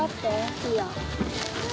いいよ。